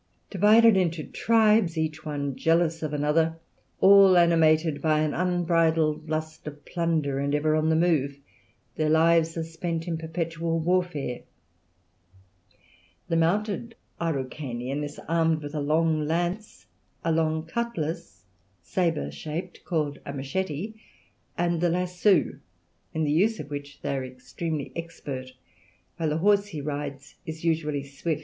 Divided into tribes, each one jealous of another, all animated by an unbridled lust of plunder, and ever on the move, their lives are spent in perpetual warfare. The mounted Araucanian is armed with a long lance, a long cutlass, sabre shaped, called a "Machete," and the lasso, in the use of which they are extremely expert, while the horse he rides is usually swift.